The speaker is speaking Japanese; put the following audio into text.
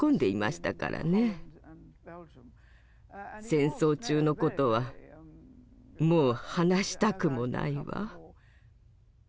戦争中のことはもう話したくもないわ。